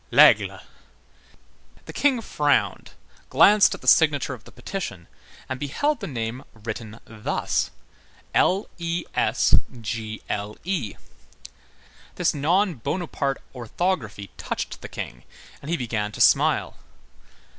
"L'Aigle." The King frowned, glanced at the signature of the petition and beheld the name written thus: LESGLE. This non Bonaparte orthography touched the King and he began to smile.